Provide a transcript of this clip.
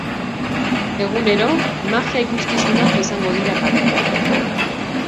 Egunero, magia ikuskizunak izango dira kalean.